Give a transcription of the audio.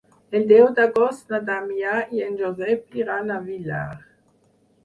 El deu d'agost na Damià i en Josep iran al Villar.